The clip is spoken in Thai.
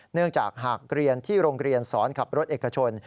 เนื่องจากหากเรียนที่โรงเรียนสอนขับรถเอกชน